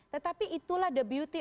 tetapi itulah the beauty